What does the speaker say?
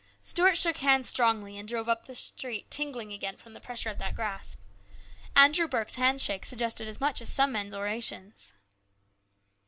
Stuart shook hands strongly and drove up the street tingling again from the pressure of that grasp. Andrew Burke's handshake suggested as much as some men's orations.